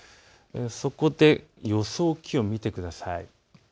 そこで予想気温、見てください。